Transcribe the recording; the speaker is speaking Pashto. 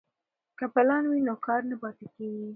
که پلان وي نو کار نه پاتې کیږي.